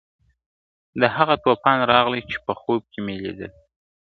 دا هغه توپان راغلی چي په خوب کي مي لیدلی ..